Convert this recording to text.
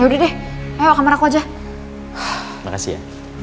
yaudah deh ayo ke kamar aku aja makasih ya